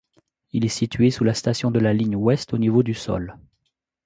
Il est situé sous la station de la Ligne Ouest au niveau du sol.